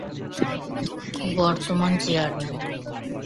বর্তমান চেয়ারম্যান-